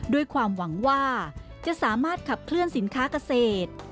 ด้วยความหวังว่าจะสามารถขับเคลื่อนสินค้าเกษตร